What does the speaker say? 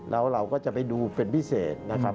แล้วเราก็จะไปดูเป็นพิเศษนะครับ